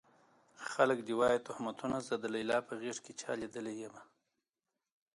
خلک دې وايي تُهمتونه زه د ليلا په غېږ کې چا ليدلی يمه